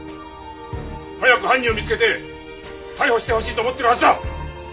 早く犯人を見つけて逮捕してほしいと思ってるはずだ！